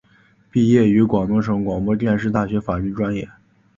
毕业于广东省广播电视大学法律专业。